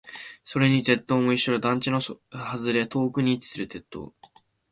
それに鉄塔も一緒だ。団地の外れ、遠くに位置する鉄塔。